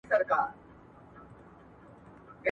اسلامي ټولنه بايد تل د مظلومانو ملاتړې وي.